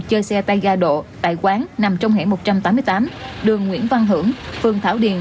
chơi xe tay ga độ tại quán nằm trong hẻm một trăm tám mươi tám đường nguyễn văn hưởng phường thảo điền